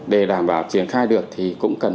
để đảm bảo triển khai được thì cũng cần